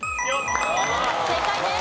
正解です。